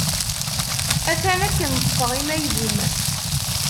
Atan akken ṭṭfeɣ imayl-im.